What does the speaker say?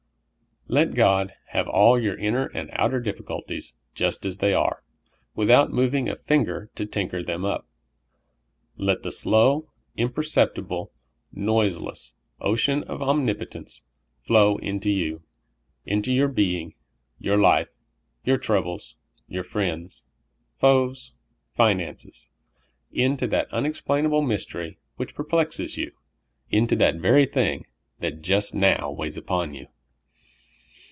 '' Let God have all your inner and outer difficulties just as they are, without moving a finger to tinker them up. Let the slow, imperceptible, noiseless ocean of omnipotence flow into j^ou, into your being, 3'our life, 5'our troubles, your friends, foes, finances, into that unexplainable. mystery which per plexes you, into that very thing that just now weighs upon 3'ou.